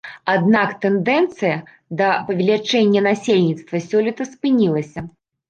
Аднак тэндэнцыя да павелічэння насельніцтва сёлета спынілася.